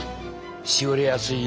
しおれやすい